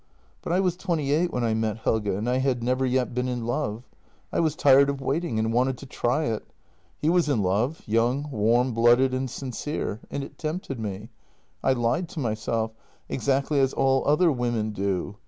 ... But I was twenty eight when I met Helge, and I had never yet been in love. I was tired of waiting and wanted to try it. He was in love, young, warm blooded, and sincere — and it tempted me. I lied to myself — exactly as all other women do.